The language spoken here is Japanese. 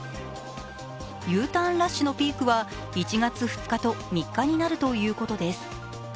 Ｕターンラッシュのピークは１月２日と３日なるということです。